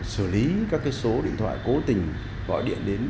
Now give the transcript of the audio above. xử lý các số điện thoại cố tình gọi điện đến